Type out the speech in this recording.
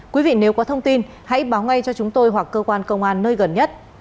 quý vị nếu có thông tin hãy báo ngay cho chúng tôi hoặc cơ quan công an nơi gần nhất